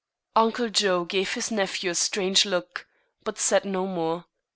Uncle Joe gave his nephew a strange look, but said no more.